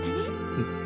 うん。